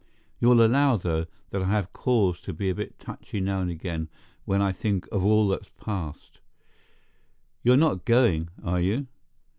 You'll allow, though, that I have cause to be a bit touchy now and again when I think of all that's passed. You're not going, are you?